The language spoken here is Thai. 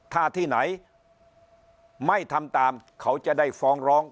ถ้าที่ไหนไม่ทำตามเขาจะได้ฟ้องร้อง